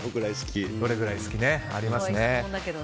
どれぐらい好きってありますね。